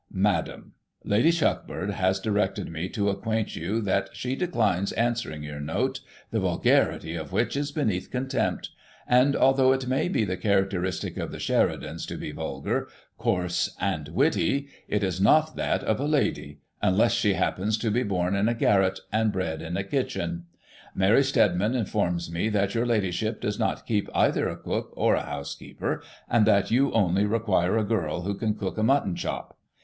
Madam,— Lady Shuckburgh has directed me to acquaint you that she declines answering your note, the vulgarity of which is beneath contempt; and, although it may be the characteristic of the Sheridans to be vulgar, coarse and witty, it is not that of ' a lady,' unless she happens to be bom in a garret and bred in a kitchen. Mary Stedman informs me that your Ladyship does not keep either a cook, or a housekeeper, and that you only require a girl who can cook a mutton chop.